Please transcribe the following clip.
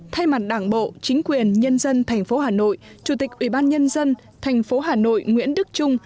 thay mặt đảng bộ chính quyền nhân dân thành phố hà nội chủ tịch ủy ban nhân dân thành phố hà nội nguyễn đức trung